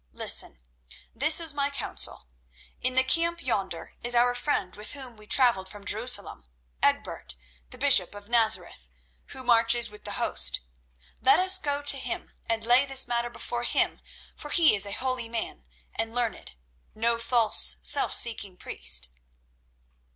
Listen; this is my counsel. In the camp yonder is our friend with whom we travelled from Jerusalem, Egbert, the bishop of Nazareth, who marches with the host. Let us go to him and lay this matter before him, for he is a holy man and learned; no false, self seeking priest."